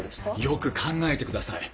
よく考えてください。